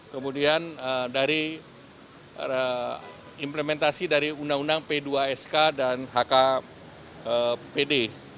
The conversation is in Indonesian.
kemudian implementasi dari undang undang p dua sk dan hkpd